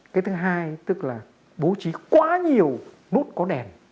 cái thứ hai tức là bố trí quá nhiều nút có đèn